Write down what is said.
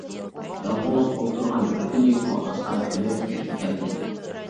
يالغۇز ئولتۇرغان بىر كۈنى ئۇ ئاستا كۈلۈپ كىرىپ كەلدى.